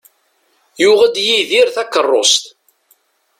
Yuɣ-d Yidir takerrust.